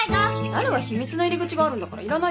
なるは秘密の入り口があるんだからいらないでしょ？